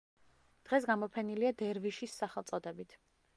დღეს გამოფენილია „დერვიშის“ სახელწოდებით.